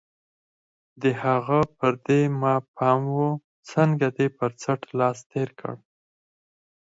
د هغه پر دې ما پام و، څنګه دې پر څټ لاس تېر کړ؟